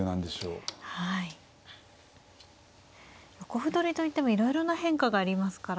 横歩取りといってもいろいろな変化がありますから。